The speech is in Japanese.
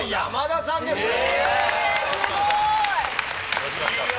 よろしくお願いします。